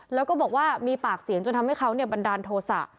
แล้วก็บอกว่ามีปากเสียงจนทำให้เขาบันดาลโทษะ